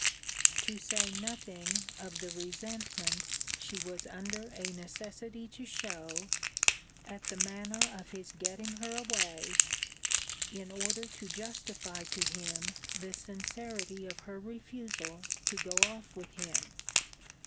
To say nothing of the resentment she was under a necessity to shew, at the manner of his getting her away, in order to justify to him the sincerity of her refusal to go off with him.